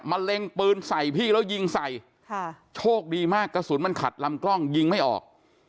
เล็งปืนใส่พี่แล้วยิงใส่ค่ะโชคดีมากกระสุนมันขัดลำกล้องยิงไม่ออก